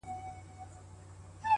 په درنو دروند، په سپکو سپک.